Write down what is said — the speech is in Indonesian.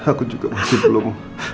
aku juga masih belum